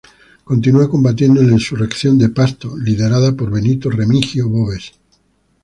Continua combatiendo en la insurrección de Pasto liderada por Benito Remigio Boves.